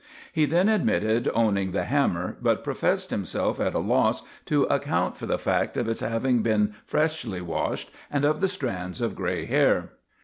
He then admitted owning the hammer, but professed himself at a loss to account for the fact of its having been freshly washed and of the strands of gray hair.